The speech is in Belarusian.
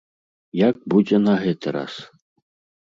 Як будзе на гэты раз?